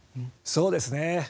そうですね。